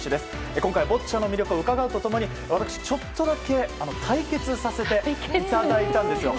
今回、ボッチャの魅力を伺うとともに私、ちょっとだけ対決させていただいたんですよ。